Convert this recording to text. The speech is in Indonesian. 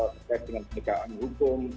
terkait dengan penegakan hukum